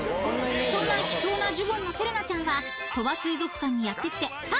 ［そんな貴重なジュゴンのセレナちゃんは鳥羽水族館にやってきて３５年］